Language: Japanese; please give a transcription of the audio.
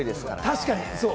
確かに。